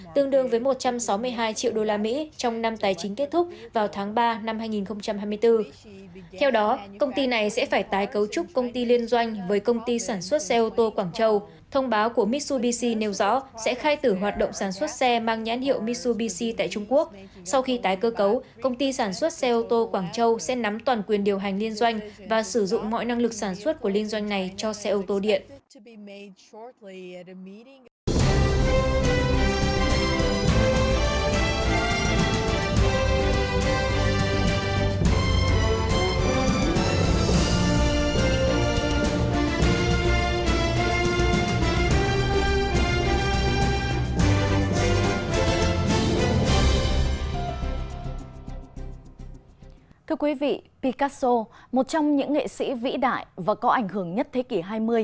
thưa quý vị picasso một trong những nghệ sĩ vĩ đại và có ảnh hưởng nhất thế kỷ hai mươi